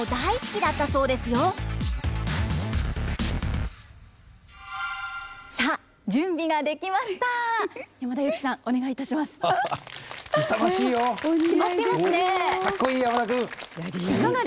かっこいい山田くん。